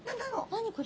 何これ？